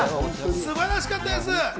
素晴らしかったです。